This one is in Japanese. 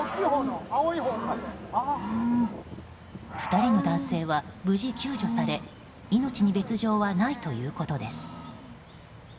２人の男性は無事救助され命に別条はないということです。